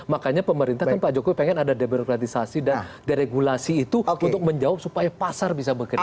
makanya pemerintah kan pak jokowi pengen ada demokratisasi dan deregulasi itu untuk menjawab supaya pasar bisa bekerja